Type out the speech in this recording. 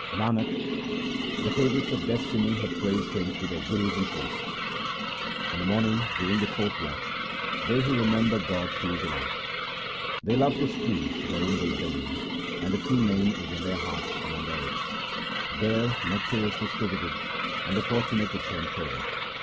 Nanak, the favourites of destiny have praised Him through their gurus and priests. In the morning during the fourth watch they who remember God feel delight ; They love the streams wherein they bathe, and the True Name is in their hearts and on their lips ; There nectar is distributed, and the fortunate obtain favour.